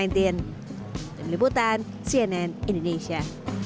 demi liputan cnn indonesia